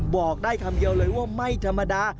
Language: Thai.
บอกได้คำเดียวเลยว่าไม่ธรรมดา